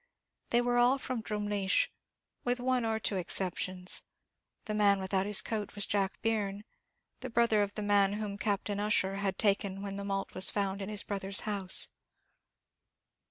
They were all from Drumleesh, with one or two exceptions; the man without the coat was Jack Byrne, the brother of the man whom Captain Ussher had taken when the malt was found in his brother in law's house.